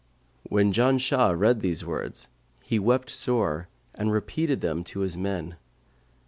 When Janshah read these words, he wept sore and repeated them to his men.